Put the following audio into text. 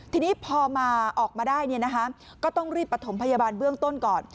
ทีนี้พอมาออกมาได้ก็ต้องรีบประถมพยาบาลเบื้องต้นก่อน